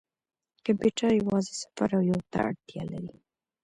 کمپیوټر یوازې صفر او یو ته اړتیا لري.